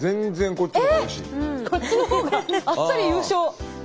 こっちのほうがあっさり優勝。